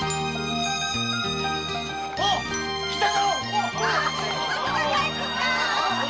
おい来たぞ！